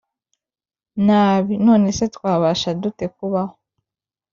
nabi None se twabasha dute kubaho